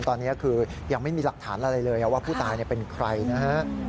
ตอนนี้คือยังไม่มีหลักฐานอะไรเลยว่าผู้ตายเป็นใครนะฮะ